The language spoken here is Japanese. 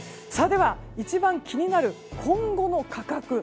では、一番気になる今後の価格。